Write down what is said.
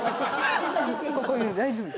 ここ大丈夫です。